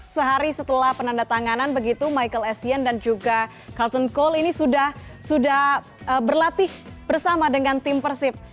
sehari setelah penandatanganan begitu michael essien dan juga carlton cole ini sudah berlatih bersama dengan tim persib